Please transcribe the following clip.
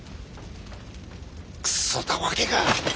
くそたわけが！